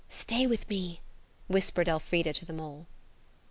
"Stay with me," whispered Elfrida to the mole.